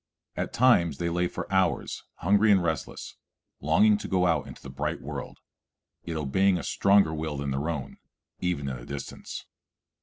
At times they lay for hours hungry and restless, longing to go out into the bright world, yet obeying a stronger will than their own, even at a distance.